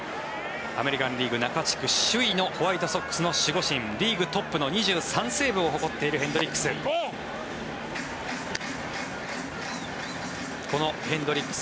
アメリカン・リーグ中地区首位のホワイトソックスの守護神リーグトップの２３セーブを誇っているヘンドリックス。